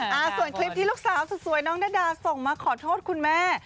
อ่าส่วนคลิปที่ลูกสาวสุดสวยน้องนาดาส่งมาขอโทษคุณแม่